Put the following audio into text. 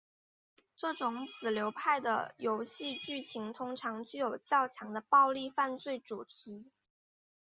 这种子流派的游戏剧情通常具有较强的暴力犯罪主题。